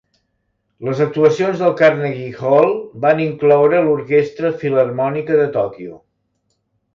Les actuacions del Carnegie Hall van incloure l'Orquestra Filharmònica de Tòquio.